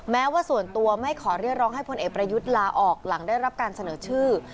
แม้ว่าส่วนตัวไม่ขอเรียกร้องให้พลเอกประยุทธ์ลาออกหลังได้รับการเสนอชื่อ